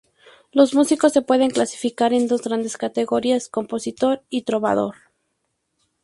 Los músicos se pueden clasificar en dos grandes categorías: compositor y trovador.